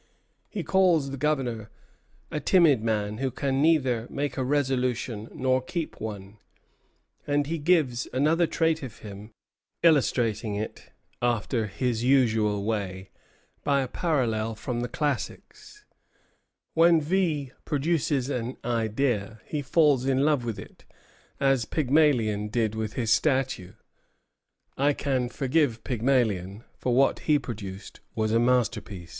He calls the Governor "a timid man, who can neither make a resolution nor keep one;" and he gives another trait of him, illustrating it, after his usual way, by a parallel from the classics: "When V. produces an idea he falls in love with it, as Pygmalion did with his statue. I can forgive Pygmalion, for what he produced was a masterpiece." Bougainville à Saint Laurens, 19 Août, 1757.